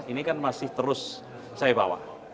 ini kan masih terus saya bawa